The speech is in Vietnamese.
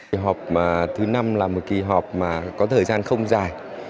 kỳ họp thứ năm là một kỳ họp mà có thời gian không dài